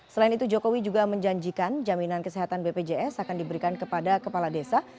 selain itu jokowi juga menjanjikan jaminan kesehatan bpjs akan diberikan kepada kepala desa